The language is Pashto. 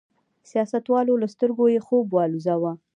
سیاستوالو له سترګو یې خوب والوځاوه.